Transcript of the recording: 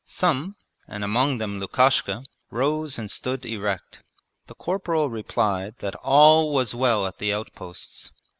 Some, and among them Lukashka, rose and stood erect. The corporal replied that all was well at the outposts.